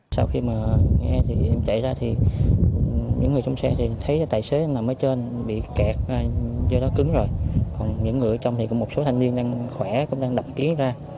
sau khi mà nghe thì em chạy ra thì những người trong xe thì thấy tài xế em nằm ở trên bị kẹt do đó cứng rồi còn những người ở trong thì có một số thành viên đang khỏe cũng đang đập kiến ra